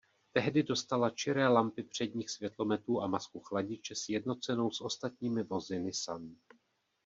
Tehdy dostala čiré lampy předních světlometů a masku chladiče sjednocenou s ostatními vozy Nissan.